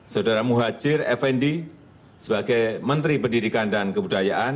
saudara muhajir effendi sebagai menteri pendidikan dan kebudayaan